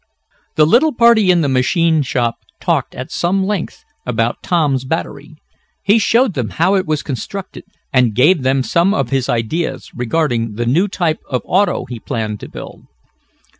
The little party in the machine shop talked at some length about Tom's battery. He showed them how it was constructed, and gave them some of his ideas regarding the new type of auto he planned to build.